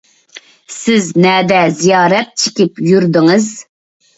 سىز نەدە رىيازەت چېكىپ يۈردىڭىز؟